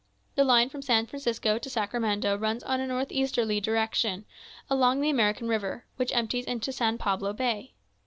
The line from San Francisco to Sacramento runs in a north easterly direction, along the American River, which empties into San Pablo Bay.